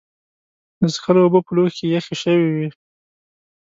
د څښلو اوبه په لوښي کې یخې شوې وې.